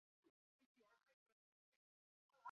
我们冷爆了